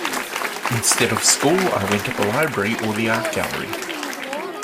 Instead of school I went to the library or the art gallery.